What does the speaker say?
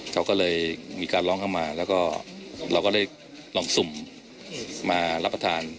เขาก็เลยมีการร้องเข้ามาแล้วก็เราก็เลยลองสุ่มมารับประทาน